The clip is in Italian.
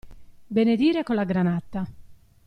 Benedire con la granata.